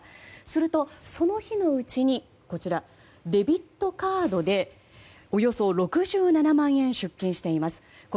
すると、その日のうちにデビットカードでおよそ６７万円出金しています。